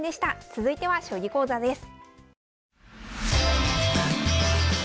続いては将棋講座です。